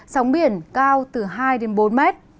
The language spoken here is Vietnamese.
sóng biển cao từ hai bốn m